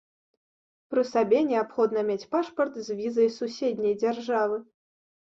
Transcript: Пры сабе неабходна мець пашпарт з візай суседняй дзяржавы.